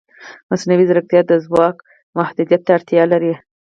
مصنوعي ځیرکتیا د ځواک محدودیت ته اړتیا لري.